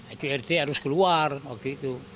itu rt harus keluar waktu itu